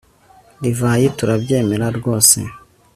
divayi turabyemera rwose